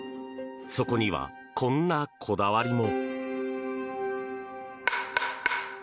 そこには、こんなこだわりも。